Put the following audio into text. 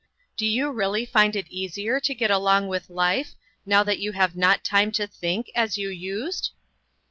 Do you really find it easier to get along with life, now that you have not time to think, as you used